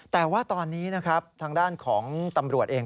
แต่ว่าตอนนี้นะครับทางด้านของตำรวจเอง